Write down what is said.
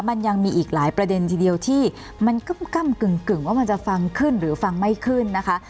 มันยังมีอีกหลายประเด็นทีเดียวที่มันกำกึ่งว่ามันจะฟังขึ้นหรือฟังไม่ขึ้นนะคะ